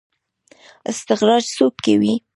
استخراج څوک کوي؟